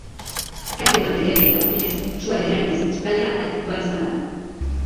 Kalte materialei dagokienez, suaren eraginez sukaldea kaltetua izan da.